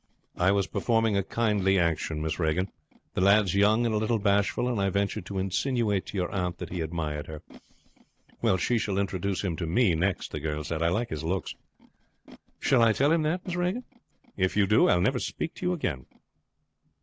"I was performing a kindly action, Miss Regan. The lad's young and a little bashful, and I ventured to insinuate to your aunt that he admired her." "Well, you shall introduce him to me next," the girl said. "I like his looks." "Shall I tell him that, Miss Regan?" "If you do I will never speak to you again."